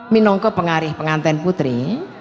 minongko pengarih pengantin putri